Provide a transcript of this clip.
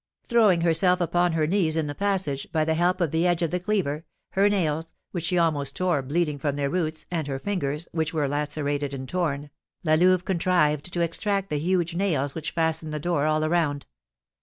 Throwing herself upon her knees in the passage, by the help of the edge of the cleaver, her nails, which she almost tore bleeding from their roots, and her fingers, which were lacerated and torn, La Louve contrived to extract the huge nails which fastened the door all around.